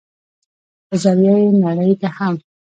په ذريعه ئې نړۍ ته هم